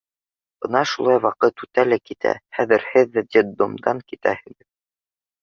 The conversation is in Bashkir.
Бына шулай ваҡыт үтә лә китә, хәҙер һеҙ ҙә детдомдан китәһегеҙ.